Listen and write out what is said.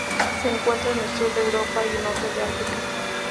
Se encuentra en el sur de Europa y norte de África.